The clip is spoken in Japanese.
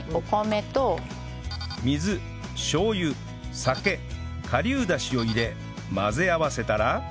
水しょう油酒顆粒ダシを入れ混ぜ合わせたら